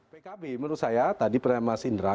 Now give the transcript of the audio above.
pkb menurut saya tadi mas indra